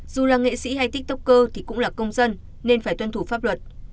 dù là nghệ sĩ hay tiktoker thì cũng là công dân nên phải tuân thủ pháp luật